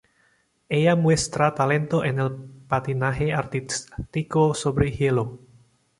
Ella muestra talento en el patinaje artístico sobre hielo.